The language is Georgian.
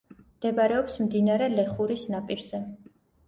მდებარეობს მდინარე ლეხურის ნაპირზე.